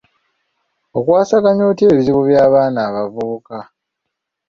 Okwasaganya otya ebizibu by'abaana abavubuka?